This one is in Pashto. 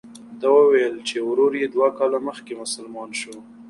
ده وویل چې ورور یې دوه کاله مخکې مسلمان شو.